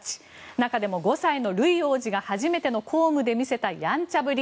中でも５歳のルイ王子が初めての公務で見せたやんちゃぶり。